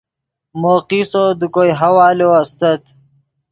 مو قصو دے کوئے حوالو استت